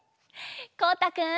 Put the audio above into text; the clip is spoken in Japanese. こうたくん。